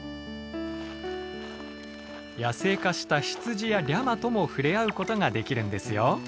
野生化したヒツジやリャマとも触れ合うことができるんですよ。